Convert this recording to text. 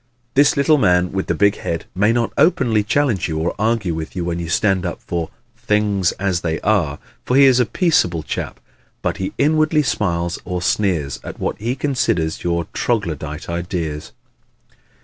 This little man with the big head may not openly challenge you or argue with you when you stand up for "things as they are," for he is a peaceable chap but he inwardly smiles or sneers at what he considers your troglodyte ideas.